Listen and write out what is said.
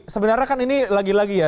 sebenarnya kan ini lagi lagi ya